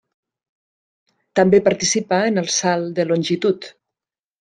També participà en el salt de longitud.